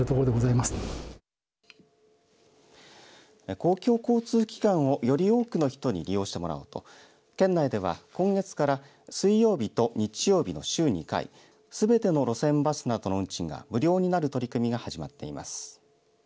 公共交通機関を、より多くの人に利用してもらおうと県内では今月から水曜日と日曜日の週２回すべての路線バスなどの運賃が無料になる取り組みが始まっています。